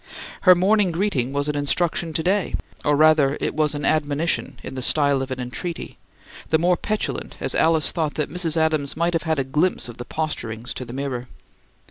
Her morning greeting was an instruction to day; or, rather, it was an admonition in the style of an entreaty, the more petulant as Alice thought that Mrs. Adams might have had a glimpse of the posturings to the mirror.